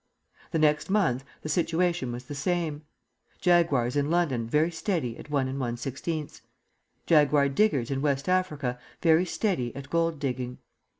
The next month the situation was the same: Jaguars in London very steady at 1 1/16, Jaguar diggers in West Africa very steady at gold digging.